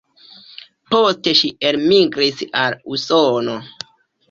Poste ŝi elmigris al Usono.